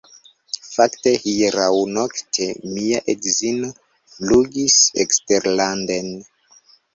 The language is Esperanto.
Fakte, hieraŭnokte mia edzino flugis eksterlanden